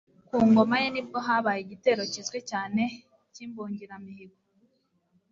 ku ngoma ye ni bwo habaye igitero kizwi cyane cy'imbungiramihigo